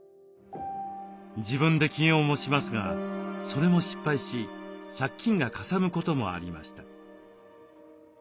自分で起業もしますがそれも失敗し借金がかさむこともありました。